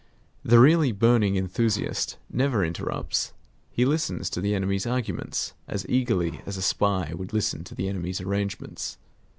The really burning enthusiast never interrupts; he listens to the enemy's arguments as eagerly as a spy would listen to the enemy's arrangements.